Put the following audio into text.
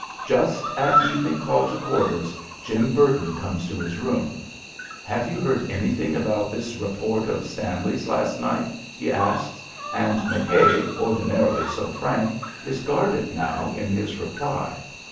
Just at evening call to quarters, Jim Burton comes to his room. "Have you heard anything about this report of Stanley's last night?" he asks, and McKay, ordinarily so frank, is guarded now in his reply.